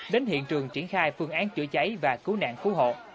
đến hiện trường triển khai phương án chữa cháy và cứu nạn cứu hộ